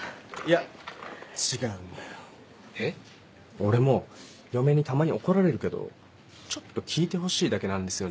俺も嫁にたまに怒られるけどちょっと聞いてほしいだけなんですよね。